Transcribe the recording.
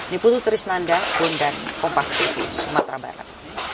niputu trisnanda bunda kompas tv sumatera barat